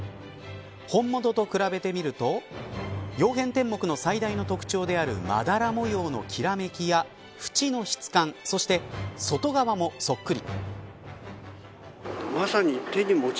本物と比べてみると曜変天目の最大の特徴であるまだら模様のきらめきやふちの質感そして外側もそっくり。